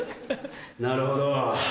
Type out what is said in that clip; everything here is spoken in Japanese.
なるほど。